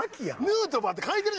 ヌートバーって書いてる。